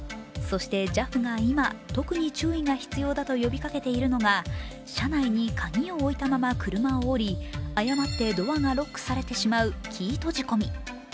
そして、ＪＡＦが今、特に注意が必要だと呼びかけているのが車内に鍵を置いたまま車を降り、誤ってドアがロックされてしまうキー閉じ込み。